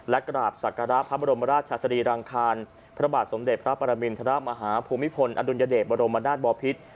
และกราบศักระพระบรมราชสรีรังคารพระบาทสมเด็จพระปรมินทรมาฮาภูมิพลอดุลยเดชบรมนาศบอพิษ